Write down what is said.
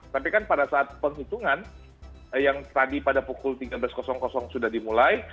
tapi kan pada saat penghitungan yang tadi pada pukul tiga belas sudah dimulai